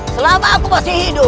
selama aku masih hidup